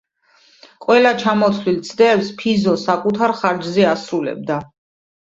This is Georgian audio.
ყველა ზემოჩამოთვლილ ცდებს ფიზო საკუთარ ხარჯზე ასრულებდა.